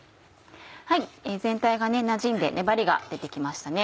全体がなじんで粘りが出て来ましたね。